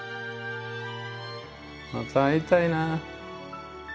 また会いたいな。